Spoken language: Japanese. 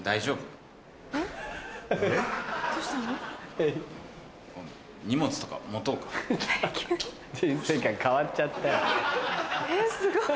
えっすごい。